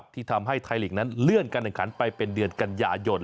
ที่ทำให้ไทยลีกนั้นเลื่อนการแข่งขันไปเป็นเดือนกันยายน